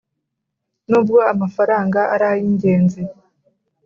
Nubwo amafaranga ari ay ingenzi